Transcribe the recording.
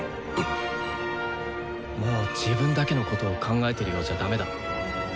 もう自分だけのことを考えてるようじゃダメだ。